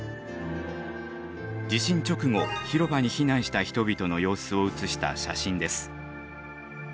地震直後広場に避難した人々の様子を写した写真です。